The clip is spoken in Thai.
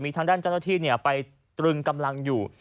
ทางด้านเจ้าหน้าที่ไปตรึงกำลังอยู่